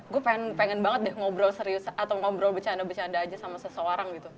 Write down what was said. gue pengen banget deh ngobrol serius atau ngobrol bercanda bercanda aja sama seseorang gitu